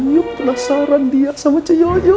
iya penasaran dia sama ceyoyo